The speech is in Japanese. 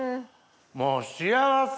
もう幸せ！